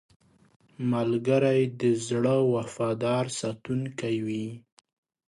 ملګری د زړه وفادار ساتونکی وي